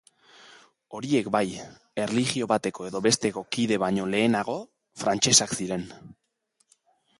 Horiek bai, erlijio bateko edo besteko kide baino lehenago, frantsesak ziren.